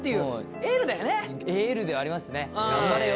エールではありますね。